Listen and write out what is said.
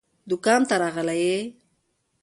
دوکان ته راغلی يې؟